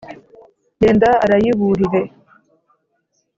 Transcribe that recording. Yenda arayiburire